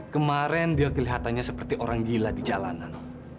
kemarin dia kelihatannya seperti orang gila di jalanan